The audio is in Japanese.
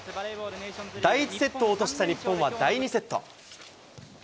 第１セットを落とした日本は、第２セット。